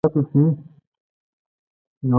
اسلام درېمه سطح دویمې پسې رامنځته شوه.